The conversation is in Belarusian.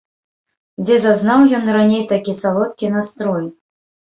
Дзе зазнаў ён раней такі салодкі настрой?